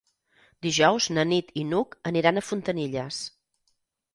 Dijous na Nit i n'Hug aniran a Fontanilles.